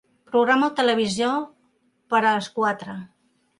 Programa el televisor per a les quatre.